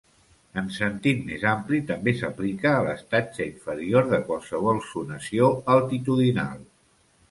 En sentit més ampli, també s'aplica a l'estatge inferior de qualsevol zonació altitudinal.